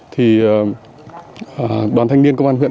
thì đoàn thanh niên công an huyện